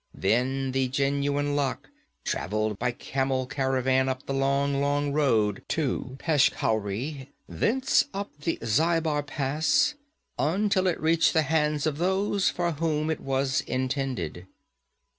Then the genuine lock travelled by camel caravan up the long, long road to Peshkhauri, thence up the Zhaibar Pass, until it reached the hands of those for whom it was intended.'